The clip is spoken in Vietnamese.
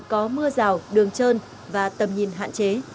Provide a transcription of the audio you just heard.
có mưa rào đường trơn và tầm nhìn hạn chế